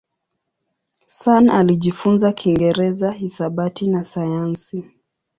Sun alijifunza Kiingereza, hisabati na sayansi.